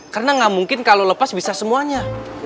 karena nggak mungkin kalau lepas bisa semuanya